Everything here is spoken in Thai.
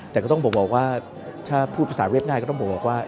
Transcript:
แต่ก็ต้องบอกว่าถ้าพูดภาษาเรียบง่ายก็ต้องบอกว่า